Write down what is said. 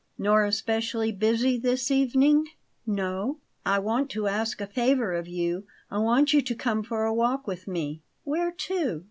"Nor especially busy this evening?" "No." "I want to ask a favour of you; I want you to come for a walk with me." "Where to?"